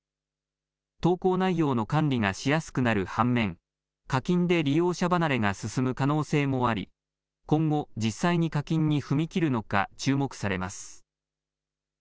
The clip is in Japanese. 投稿内容の管理がしやすくなる反面、課金で利用者離れが進む可能性もあり今後、実際に課金に踏み切るのか注目されます。